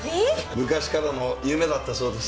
昔からの夢だったそうです。